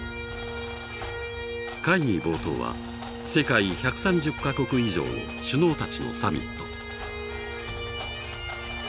会議冒頭は世界１３０か国以上の首脳たちのサミット。